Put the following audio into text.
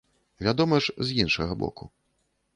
Вядома ж, з іншага боку.